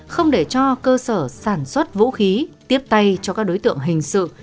không để cho cơ sở sản xuất vũ khí tiếp tay cho các đối tượng hình sự